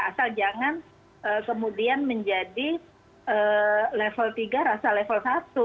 asal jangan kemudian menjadi level tiga rasa level satu